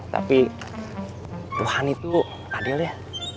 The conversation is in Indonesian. tapi tuhan itu adil ya